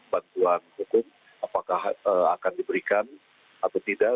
bantuan hukum apakah akan diberikan atau tidak